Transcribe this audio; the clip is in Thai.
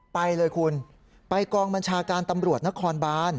ไปเลยคุณไปกองบัญชาการตำรวจนครบาน